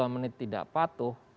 dua menit tidak patuh